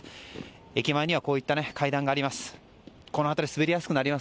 駅前にはこういった階段があります。